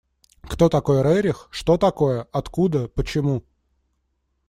Кто такой Рерих, что такое, откуда, почему?